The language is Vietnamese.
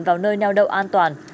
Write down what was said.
vào nơi nào đâu an toàn